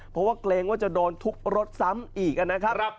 เพราะว่าเกรงว่าจะโดนทุบรถซ้ำอีกนะครับ